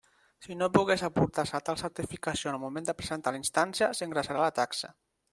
Si no pogués aportar-se tal certificació en el moment de presentar la instància, s'ingressarà la taxa.